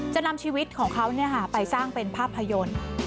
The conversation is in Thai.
จะนำชีวิตของเขาไปสร้างเป็นภาพยนตร์